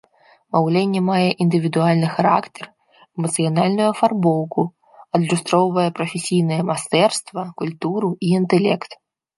Маўленне мае індывідуальны характар, эмацыянальную афарбоўку, адлюстроўвае прафесійнае майстэрства, культуру і інтэлект.